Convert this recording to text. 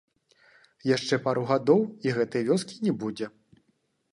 Яшчэ пару гадоў, і гэтай вёскі не будзе.